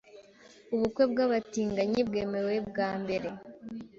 Ubukwe bw’abatinganyi bwemewe bwa mbere